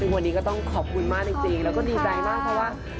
วันนี้ก็ต้องขอบคุณมากจริงแล้วก็ดีใจมากเพราะว่า